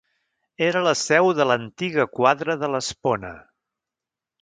Era la seu de l'antiga quadra de l'Espona.